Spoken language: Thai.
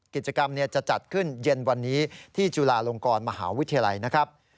กิจกรรมจะจัดขึ้นเย็นวันนี้ที่จุฬาลงกรมหาวิทยาลัยนะครับ